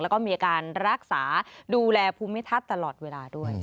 แล้วก็มีอาการรักษาดูแลภูมิทัศน์ตลอดเวลาด้วย